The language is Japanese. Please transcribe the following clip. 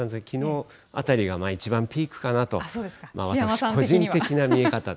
きのうあたりが一番ピークかなと、私、個人的には。